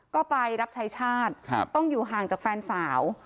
ก็ไปรับใช้ชาติต้องอยู่ห่างจากแฟนสาว